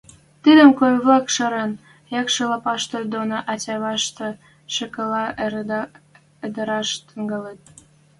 Тыгыды коэвлӓм шӓрен, якшар лапашты доно ӓтя-ӓвӓштӹ векӹлӓ ыдыраш тӹнгӓлӹт.